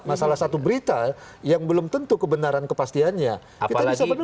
masalah satu berita yang belum tentu kebenaran kepastiannya kita bisa berdebat